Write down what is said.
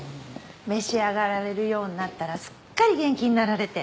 召し上がられるようになったらすっかり元気になられて。